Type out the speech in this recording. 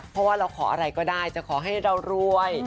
เพราะว่าเราขออะไรก็ได้จะขอให้เรารวย